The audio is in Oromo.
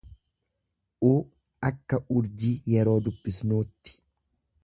u akka urjii yeroo dubbisnuutti.